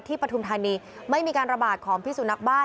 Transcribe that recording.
ปฐุมธานีไม่มีการระบาดของพิสุนักบ้า